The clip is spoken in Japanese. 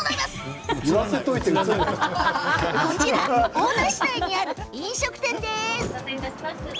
大田市内にある飲食店です。